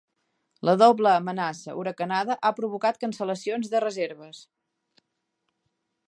La doble amenaça huracanada ha provocat cancel·lacions de reserves.